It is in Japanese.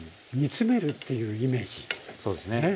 そうですね。